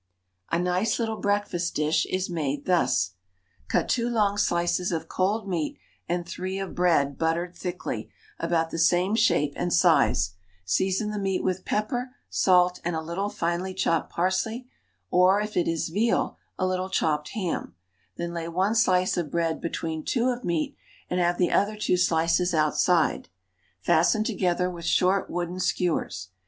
A NICE LITTLE BREAKFAST DISH IS made thus: Cut two long slices of cold meat and three of bread, buttered thickly, about the same shape and size; season the meat with pepper, salt, and a little finely chopped parsley; or, if it is veal, a little chopped ham; then lay one slice of bread between two of meat, and have the other two slices outside; fasten together with short wooden skewers.